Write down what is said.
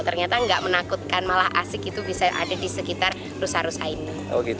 ternyata nggak menakutkan malah asik itu bisa ada di sekitar rusa rusa ini